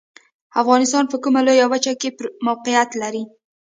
افغانستان په کومه لویه وچې کې موقعیت لري؟